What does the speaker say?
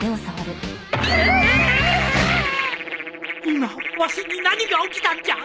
今わしに何が起きたんじゃ！？